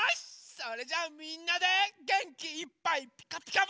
それじゃあみんなでげんきいっぱい「ピカピカブ！」